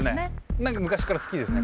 何か昔から好きですね